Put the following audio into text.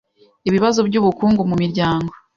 ibibazo by’ubukungu mu miryango